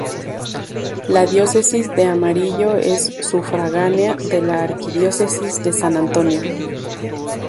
La Diócesis de Amarillo es sufragánea de la Arquidiócesis de San Antonio.